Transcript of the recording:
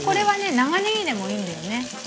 長ネギでもいいんだよね。